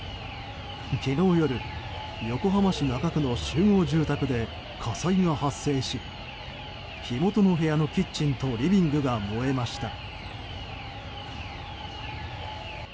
昨日夜、横浜市中区の集合住宅で火災が発生し火元の部屋のキッチンとリビングが燃えました。